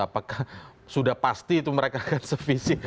apakah sudah pasti itu mereka akan sevisi